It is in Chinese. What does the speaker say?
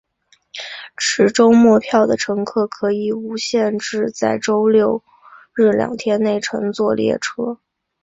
持周末票的乘客可以无限制在周六日两天内乘坐列车。